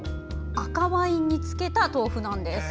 赤ワインに漬けた豆腐なんです。